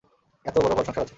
এতো বড় ঘর-সংসার আছে।